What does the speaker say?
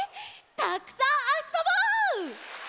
たくさんあそぼう！